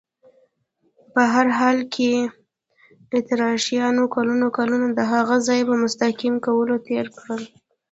په هر حال، اتریشیانو کلونه کلونه د هغه ځای په مستحکم کولو تېر کړل.